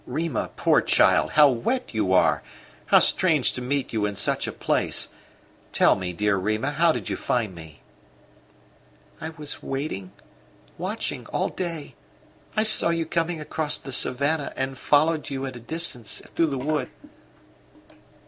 "Rima poor child! How wet you are! How strange to meet you in such a place! Tell me, dear Rima, how did you find me?" "I was waiting watching all day. I saw you coming across the savannah, and followed at a distance through the wood."